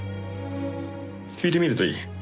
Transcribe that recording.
聞いてみるといい。